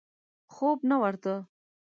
خوب نه ورته.